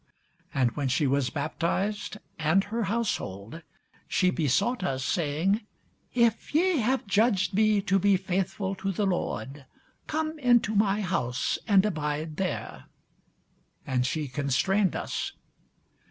And when she was baptized, and her household, she besought us, saying, If ye have judged me to be faithful to the Lord, come into my house, and abide there. And she constrained us.